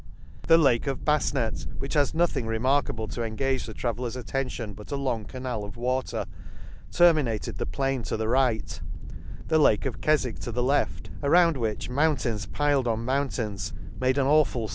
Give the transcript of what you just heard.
— The Lake of Basnet, which has nothing remarkable to engage the traveller's atten tion but a long canal of water, termina ted the plain to the right, the Lake of Kefwick to the left ; around which, moun tains piled on mountains made an awful circle, the Lakes.